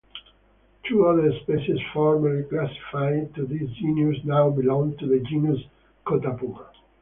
Two other species, formerly classified to this genus, now belong to the genus "Catopuma".